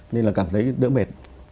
nên là cảm thấy đỡ mệt